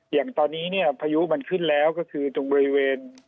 อย่างตอนนี้เนี่ยพายุมันขึ้นแล้วก็คือตรงบริเวณ